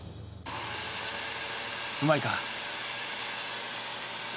うまいか。